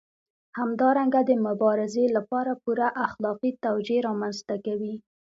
همدارنګه د مبارزې لپاره پوره اخلاقي توجیه رامنځته کوي.